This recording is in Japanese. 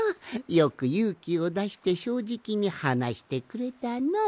よくゆうきをだしてしょうじきにはなしてくれたのう。